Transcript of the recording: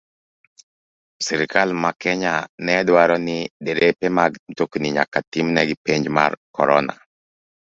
Sirkal mar Kenya ne dwaro ni derepe mag mtokni nyaka timnegi penj mar corona